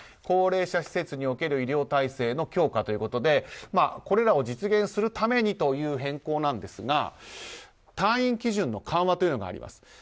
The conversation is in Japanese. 高齢者施設における医療体制の強化ということでこれらを実現するためにという変更なんですが退院基準の緩和というものがあります。